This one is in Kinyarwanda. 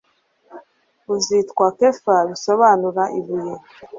Uzitwa Kefa, bisobanura Ibuye."